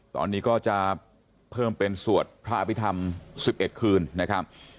ตอนนี้ก็จะเพิ่มเป็นสวดพระอภิษฐรรม๑๑คืนนะครับ